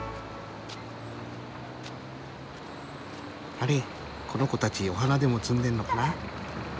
あれこの子たちお花でも摘んでるのかな？